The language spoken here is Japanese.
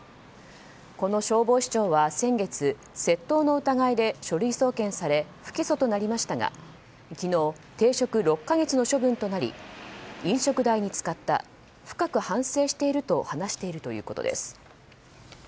この消防士長は先月窃盗の疑いで書類送検され不起訴となりましたが昨日、停職６か月の処分となり飲食代に使った深く反省していると話しているということです。